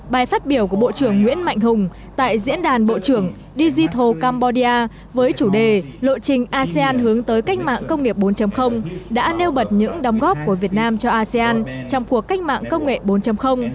bài phát biểu của bộ trưởng nguyễn mạnh hùng tại diễn đàn bộ trưởng digital cambodia với chủ đề lộ trình asean hướng tới cách mạng công nghiệp bốn đã nêu bật những đóng góp của việt nam cho asean trong cuộc cách mạng công nghệ bốn